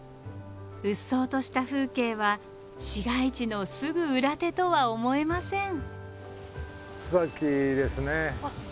うっそうとした風景は市街地のすぐ裏手とは思えません。